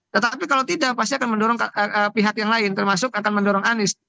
tetapi kalau tidak pasti akan mendorong pihak yang lain termasuk akan mendorong anies